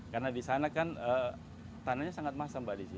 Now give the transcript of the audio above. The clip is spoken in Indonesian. karena di sana kan tanahnya sangat masam mbak desi